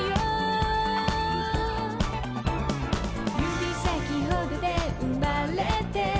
「指先ほどで生まれて」